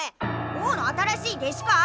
王の新しい弟子か？